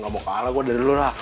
gak mau kalah gue dari lu lah